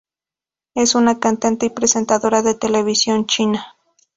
Es una cantante y presentadora de televisión china.